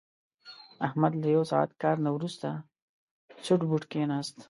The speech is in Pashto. احمد له یو ساعت کار نه ورسته سوټ بوټ کېناست.